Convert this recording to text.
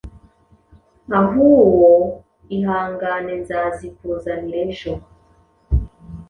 ahuwo ihangane nzazikuzanira ejo